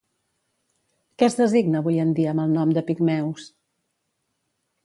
Què es designa avui en dia amb el nom de pigmeus?